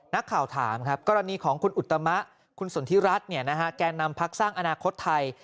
นักข่าวถามครับกรณีของคุณอุตมะคุณสนทิรัฐแก่นำพักสร้างอนาคตไทย